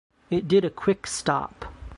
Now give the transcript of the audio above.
It did a quick stop.